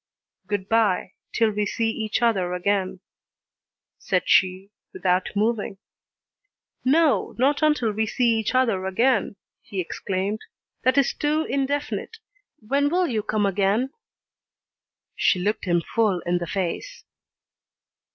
"Good bye, till we see each other again," said she, without moving. "No, not till we see each other again!" he exclaimed, "that is too indefinite. When will you come again?" She looked him full in the face.